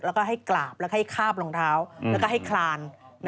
แล้วก็ให้กราบแล้วให้คาบรองเท้าแล้วก็ให้คลาน